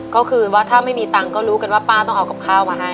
ก็คือว่าถ้าไม่มีตังค์ก็รู้กันว่าป้าต้องเอากับข้าวมาให้